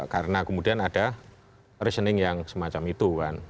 karena kemudian ada reasoning yang semacam itu kan